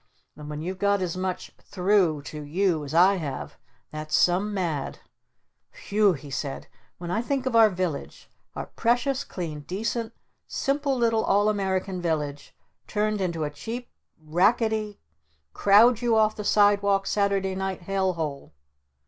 And when you've got as much 'through' to you as I have, that's some mad! W hew!" he said. "When I think of our village, our precious, clean, decent, simple little All American village turned into a cheap racketty crowd you off the sidewalk Saturday Night Hell Hole...?"